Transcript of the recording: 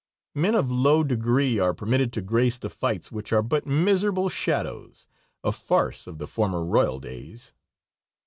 Men of low degree are permitted to grace the fights, which are but miserable shadows, a farce of the former royal days.